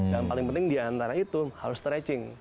dan paling penting diantara itu harus stretching